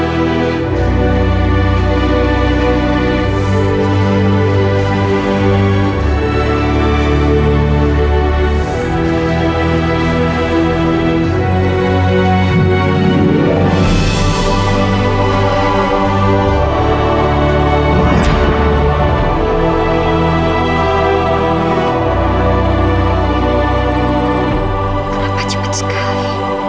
kenapa cepat sekali